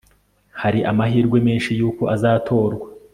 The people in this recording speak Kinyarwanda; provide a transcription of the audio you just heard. hari amahirwe menshi yuko azatorwa